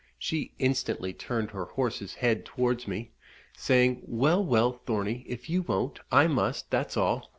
She instantly turned her horse's head towards me, saying, "Well, well, Thornie, if you won't, I must, that's all.